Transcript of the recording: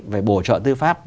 về bổ trợ tư pháp